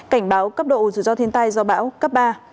cảnh báo cấp độ dù do thiên tai do bão cấp ba